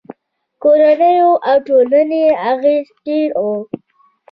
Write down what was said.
کورنیو او ټولنې اغېز ډېر و.